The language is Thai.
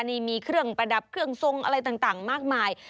นี่มีเครื่องประดับเครื่องทรงอะไรต่างมากมาย